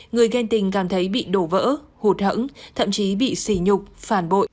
người ghen tình cảm thấy bị đổ vỡ hụt hẫng thậm chí bị xỉ nhục phản bội